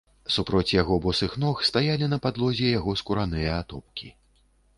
Супроць яго босых ног стаялі на падлозе яго скураныя атопкі.